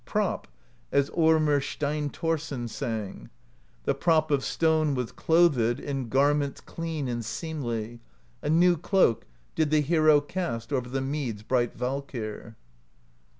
Prop, as Ormr Steinthorsson sang: The Prop of Stone was clothed In garments clean and seemly: A new cloak did the hero Cast o'er the Mead's bright Valkyr.